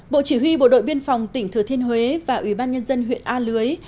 bộ chỉ huy bộ đội biên phòng tỉnh thừa thiên huế và ủy ban nhân dân huyện a lưới